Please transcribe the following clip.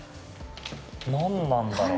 何なんだろう。